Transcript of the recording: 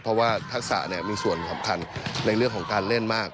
เพราะว่าทักษะมีส่วนสำคัญในเรื่องของการเล่นมาก